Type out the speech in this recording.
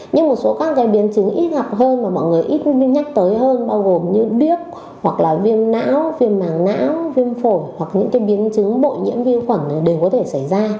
nhưng một số các biến chứng ít gặp hơn và mọi người ít nhắc tới hơn bao gồm như điếc hoặc là viêm não viêm màng não viêm phổi hoặc những biến chứng bội nhiễm viên khuẩn đều có thể xảy ra